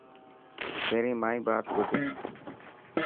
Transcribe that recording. پهرين مائي بات ٻڌ.